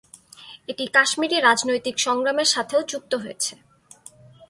এটি কাশ্মীরি রাজনৈতিক সংগ্রামের সাথেও যুক্ত হয়েছে।